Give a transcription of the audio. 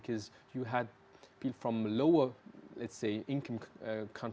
karena ada orang dari negara kebanyakan